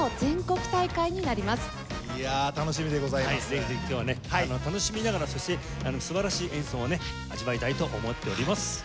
ぜひぜひ今日はね楽しみながらそして素晴らしい演奏をね味わいたいと思っております。